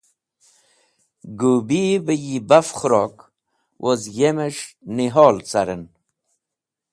Gũbi be yi baf k̃hũrok woz yemes̃h nihol caren.